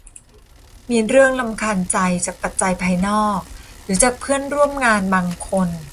มีเรื่องรำคาญใจจากปัจจัยภายนอกหรือจากเพื่อนร่วมงานบางคน